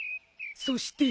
そして。